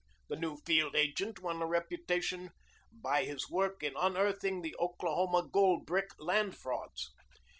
The new field agent won a reputation by his work in unearthing the Oklahoma "Gold Brick" land frauds.